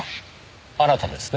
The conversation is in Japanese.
あなたですね？